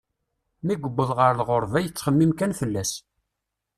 Mi yuweḍ ɣer lɣerba, yettxemmim kan fell-as.